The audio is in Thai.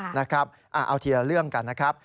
ค่ะนะครับเอาทีละเรื่องกันนะครับ